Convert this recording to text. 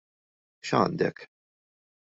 X'għandek?